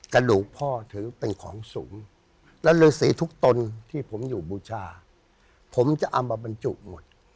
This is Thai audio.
กระดูกพ่อถือเป็นของสูงและฤษีทุกตนที่ผมอยู่บูชาผมจะเอามาบรรจุหมด